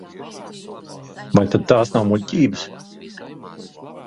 Vai tad tās nav muļķības?